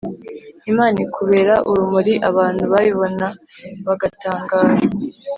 Imana ikubera urumuri abantu babibona bagatangara